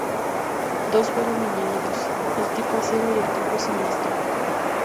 Dos fueron añadidos, el tipo acero y el tipo siniestro.